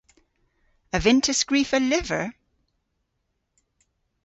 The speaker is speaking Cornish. A vynn'ta skrifa lyver?